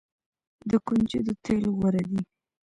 د کنجدو تیل غوره دي.